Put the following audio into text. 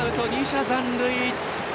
２者残塁。